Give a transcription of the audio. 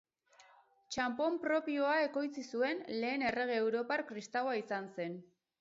Txanpon propioa ekoitzi zuen lehen errege europar kristaua izan zen.